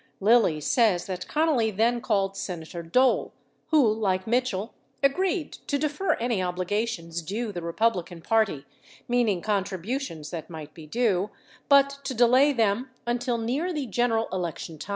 Lilly says that Connally then called Senator Dole who, like Mitchell, agreed to defer any obligations due the Republican Party, meaning contributions that might be due, but to delay them until near the general election time.